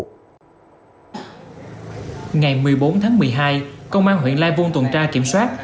ngày một mươi bốn tháng một mươi hai công an huyện lai vung tuần tra kiểm soát